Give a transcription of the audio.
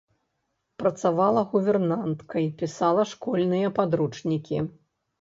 Працавала гувернанткай, пісала школьныя падручнікі.